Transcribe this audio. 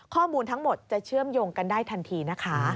ข้อมูลทั้งหมดจะเชื่อมโยงกันได้ทันทีนะคะ